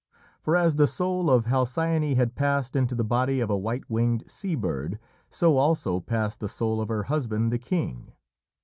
For as the soul of Halcyone had passed into the body of a white winged sea bird, so also passed the soul of her husband the king.